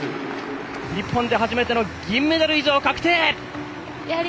日本で初めての銀メダル以上確定！